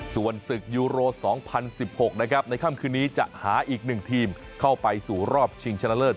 ส่วนศึกยูโร๒๐๑๖นะครับในค่ำคืนนี้จะหาอีก๑ทีมเข้าไปสู่รอบชิงชนะเลิศ